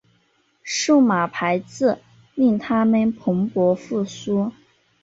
数码排字令它们蓬勃复苏。